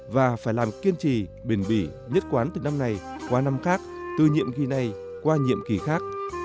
và phải làm kiên trì bền bỉ nhất quán từ năm nay qua năm khác tư nhiệm khi này qua nhiệm kỳ khác